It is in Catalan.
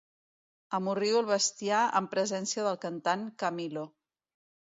Amorrio el bestiar en presència del cantant Camilo.